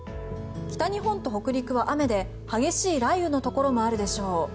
北日本と北陸は雨で激しい雷雨のところもあるでしょう。